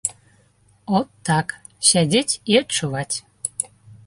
От так, сядзець і адчуваць.